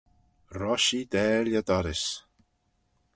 Roshee daill y dorrys